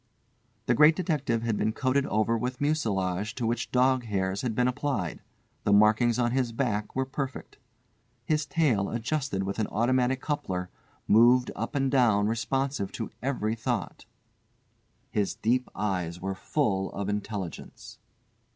The Great Detective had been coated over with mucilage to which dog hairs had been applied. The markings on his back were perfect. His tail, adjusted with an automatic coupler, moved up and down responsive to every thought. His deep eyes were full of intelligence.